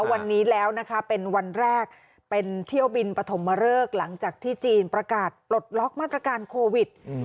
วันนี้แล้วนะคะเป็นวันแรกเป็นเที่ยวบินปฐมเริกหลังจากที่จีนประกาศปลดล็อกมาตรการโควิด